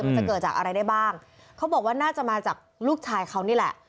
มันจะเกิดจากอะไรได้บ้างเขาบอกว่าน่าจะมาจากลูกชายเขานี่แหละ